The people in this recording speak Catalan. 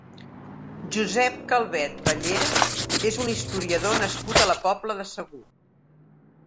Josep Calvet Bellera és un historiador nascut a la Pobla de Segur.